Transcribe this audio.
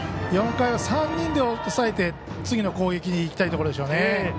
４回は３人で抑えて次の攻撃にいきたいところでしょうね。